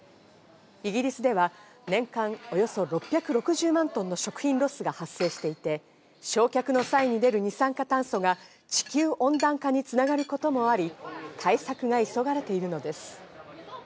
イギリスでは年間およそ６６０万トンの食品ロスが発生していて、焼却の際に出る二酸化炭素が地球温暖化に繋がることもあり、対策が急がれているのです。